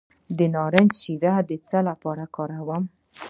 د نارنج شیره د څه لپاره وکاروم؟